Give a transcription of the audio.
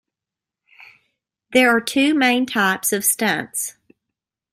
There are two main types of stunts.